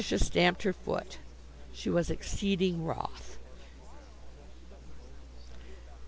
_" Letitia stamped her foot. She was exceeding wroth.